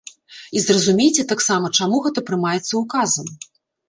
І зразумейце таксама, чаму гэта прымаецца ўказам.